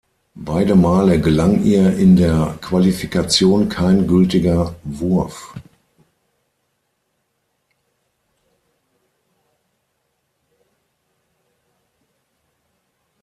Beide Male gelang ihr in der Qualifikation kein gültiger Wurf.